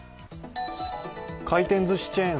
回転ずしチェーン